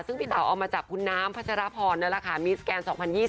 ซึ่งพี่เต๋าเอามาจากคุณน้ำพัชรพรนั่นแหละค่ะมิสแกน๒๐๒๐